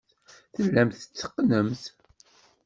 Tellamt tetteqqnemt.